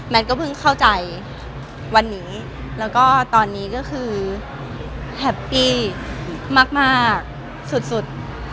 ก็เพิ่งเข้าใจวันนี้แล้วก็ตอนนี้ก็คือแฮปปี้มากสุด